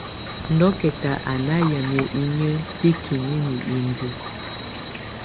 Dokɛta á nà yamɛ̀á inƴǝ́ bikinini indiǝ.